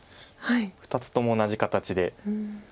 ２つとも同じ形で。